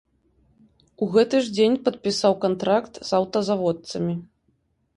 У гэты ж дзень падпісаў кантракт з аўтазаводцамі.